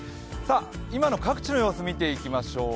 今の各地の様子を見ていきましょう。